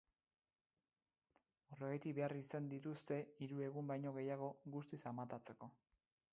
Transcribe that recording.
Horregatik behar izan dituzte hiru egun baino gehiago guztiz amatatzeko.